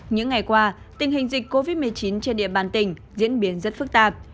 những ngày qua tình hình dịch covid một mươi chín trên địa bàn tỉnh diễn biến rất phức tạp